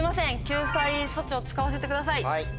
救済措置を使わせてください。